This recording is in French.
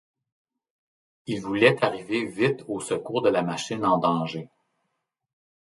Il voulait arriver vite au secours de la machine en danger.